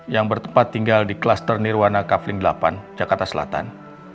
yang bertempat tinggal di klaster nirwana kavling delapan jakarta selatan